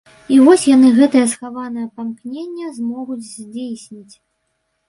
І вось яны гэтае схаванае памкненне змогуць здзейсніць.